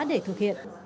để thực hiện